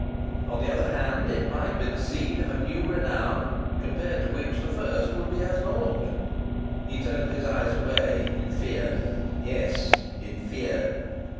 On the other hand, it might be the seed of a new renown compared to which the first would be as naught! He turned his eyes away, in fear yes, in fear!